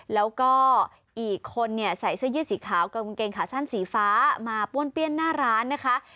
แล้วก็อีกคนเนี่ยใส่เสื้อยืดสีขาวกางเกงขาสั้นสีฟ้ามาป้วนเปี้ยนหน้าร้านนะคะ